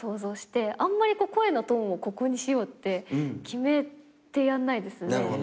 あんまり声のトーンをここにしようって決めてやんないですね。